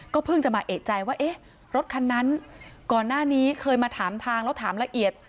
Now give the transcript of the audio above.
เพิ่งจะมาเอกใจว่าเอ๊ะรถคันนั้นก่อนหน้านี้เคยมาถามทางแล้วถามละเอียด